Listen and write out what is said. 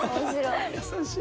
優しい。